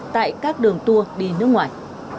tại các đường tour đi nước ngoài